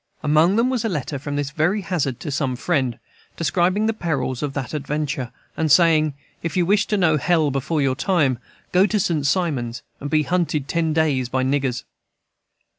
Among them was a letter from this very Hazard to some friend, describing the perils of that adventure, and saying, "If you wish to know hell before your time, go to St Simon's and be hunted ten days by niggers."